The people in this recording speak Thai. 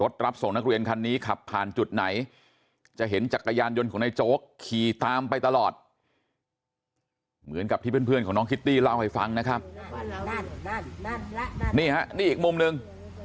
นี่เพื่อนของน้องคิตตี้เล่าให้ฟังนะครับนี่ฮะนี่อีกมุมหนึ่ง